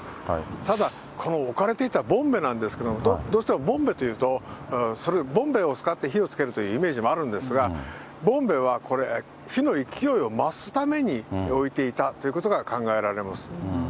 ただ、この置かれていたボンベなんですけれども、どうしてもボンベというと、それ、ボンベを使って火をつけるというイメージもあるんですが、ボンベはこれ、火の勢いを増すために置いていたということが考えられます。